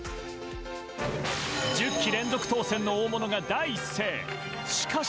１０期連続当選の大物が第一声、しかし。